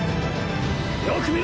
よく見ろ！